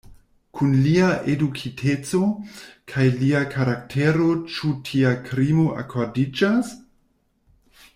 Kun lia edukiteco kaj lia karaktero ĉu tia krimo akordiĝas?